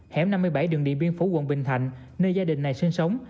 hẻm năm mươi bảy đường điện biên phủ quận bình thạnh nơi gia đình này sinh sống